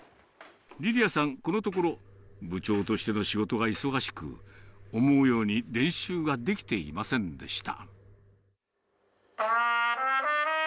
りりあさん、このところ、部長としての仕事が忙しく、思うように練習ができていませんでした。